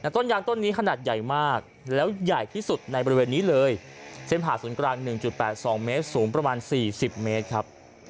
ต้นยางต้นนี้ขนาดใหญ่มากแล้วใหญ่ที่สุดในบริเวณนี้เลยเส้นผ่าศูนย์กลาง๑๘๒เมตรสูงประมาณ๔๐เมตรครับ